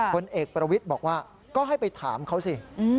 ผลเอกประวิทย์บอกว่าก็ให้ไปถามเขาสิ